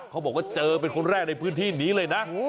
เขาบอกว่าเจอเป็นคนแรกในพื้นที่นี้เลยนะ